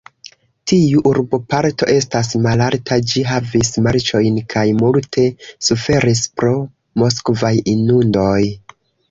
Tiu urboparto estas malalta; ĝi havis marĉojn kaj multe suferis pro moskvaj inundoj.